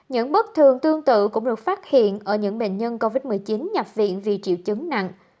những bất thường tương tự cũng được phát hiện ở những bệnh nhân covid một mươi chín nhập viện vì triệu chứng nặng